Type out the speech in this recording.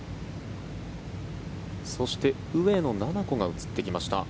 そして上野菜々子が映ってきました。